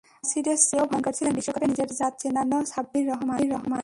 তবে নাসিরের চেয়েও ভয়ংকর ছিলেন বিশ্বকাপে নিজের জাত চেনানো সাব্বির রহমান।